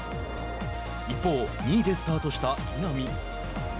一方、２位でスタートした稲見。